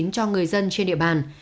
cho người dân trên địa bàn